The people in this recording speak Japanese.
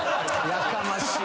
やかましい。